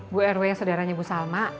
bu rw saudaranya bu salma